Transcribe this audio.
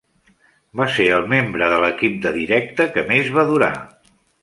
Va ser el membre de l'equip de directe que més va durar.